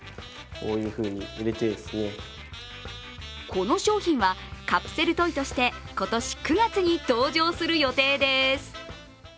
この商品はカプセルトイとして今年９月に登場する予定です。